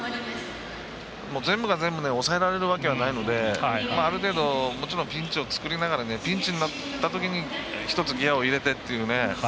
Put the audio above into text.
全部が全部抑えられるわけがないのである程度もちろんピンチを作りながらピンチになったときに１つギヤを入れてという。